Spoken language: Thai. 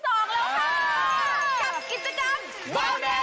เฮ้ยโอ้ยโอ้ยแล้ว